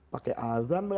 pakai adhan lagi